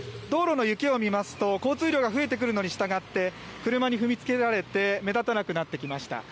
道路の雪を見ますと交通量が増えてくるのにしたがって車に踏みつけられて目立たなくなってきました。